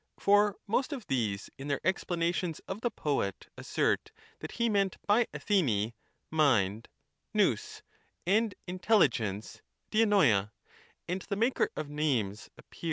For most of these in their explanations of the poet, assert that he meant by Athene * mind ' [voic) and ' intelligence ' [6idvoia), and the maker of names appear?